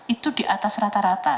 itu di atas rata rata